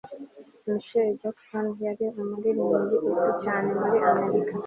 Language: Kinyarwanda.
michael jackson yari umuririmbyi uzwi cyane muri amerika